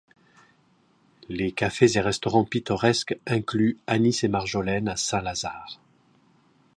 Les cafés et restaurants pittoresques incluent Anis & Marjolaine à Saint-Lazare.